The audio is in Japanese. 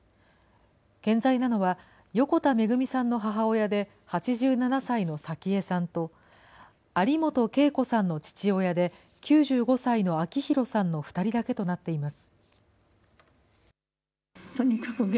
健在なのは横田めぐみさんの母親で８７歳の早紀江さんと、有本恵子さんの父親で９５歳の明弘さんの２人だけとなっています。